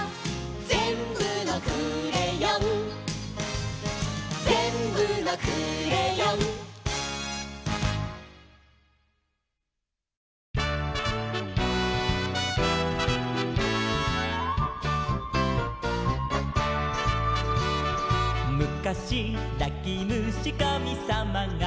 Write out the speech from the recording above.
「ぜんぶのクレヨン」「ぜんぶのクレヨン」「むかしなきむしかみさまが」